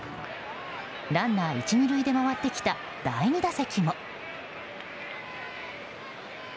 ランナー１、２塁で回ってきた第２打席も。